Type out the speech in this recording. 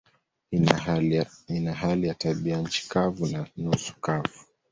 Ina hali ya tabianchi kavu na nusu kavu.